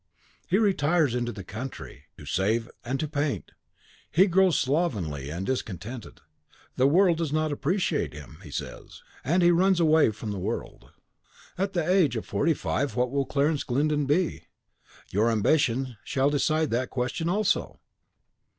He retires into the country, to save and to paint; he grows slovenly and discontented; 'the world does not appreciate him,' he says, and he runs away from the world. At the age of forty five what will be Clarence Glyndon? Your ambition shall decide that question also!"